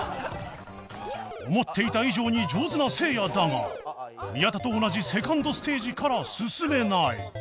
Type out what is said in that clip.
思っていた以上に上手なせいやだが宮田と同じセカンドステージから進めない